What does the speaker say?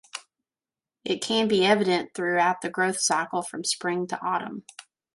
It can be evident throughout the growth cycle from spring to autumn.